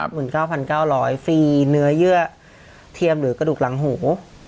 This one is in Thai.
หมื่นเก้าพันเก้าร้อยฟรีเนื้อเยื่อเทียมหรือกระดูกหลังหู